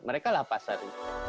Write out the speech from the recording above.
mereka lah pasar